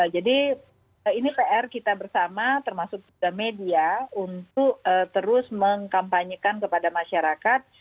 jadi ini pr kita bersama termasuk media untuk terus mengkampanyekan kepada masyarakat